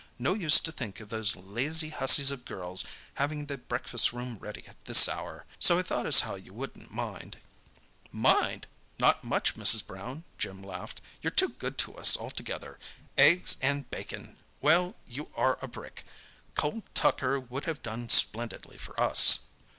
"No use to think of those lazy hussies of girls having the breakfast room ready at this hour. So I thought as how you wouldn't mind." "Mind!—not much, Mrs. Brown," Jim laughed. "You're too good to us altogether. Eggs and bacon! Well, you are a brick! Cold tucker would have done splendidly for us."